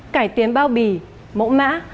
cải tiến bao bì mẫu mã